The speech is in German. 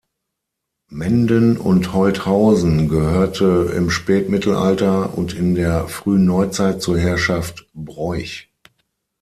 Menden und Holthausen gehörte im Spätmittelalter und in der Frühen Neuzeit zur Herrschaft Broich.